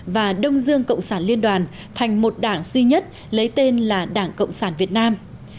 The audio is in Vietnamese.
và đông dương cộng sản liên đoàn thành một đảng duy nhất lấy tên là đảng cộng sản việt nam